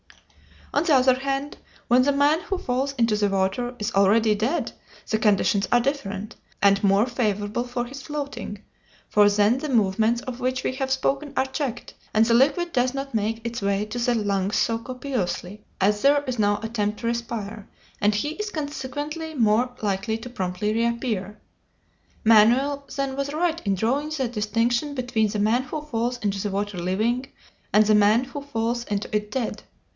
On the other hand, when the man who falls into the water is already dead the conditions are different, and more favorable for his floating, for then the movements of which we have spoken are checked, and the liquid does not make its way to the lungs so copiously, as there is no attempt to respire, and he is consequently more likely to promptly reappear. Manoel then was right in drawing the distinction between the man who falls into the water living and the man who falls into it dead.